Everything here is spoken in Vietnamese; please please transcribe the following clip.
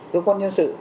cơ quan nhân sự